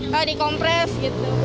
kalau dikompres gitu